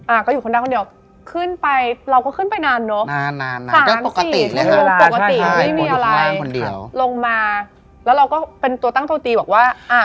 อ่าก็อยู่ข้างล่างคนเดียวขึ้นไปเราก็ขึ้นไปนานเนอะผ่านสิปกติไม่มีอะไรลงมาแล้วเราก็เป็นตัวตั้งโตจีบอกว่า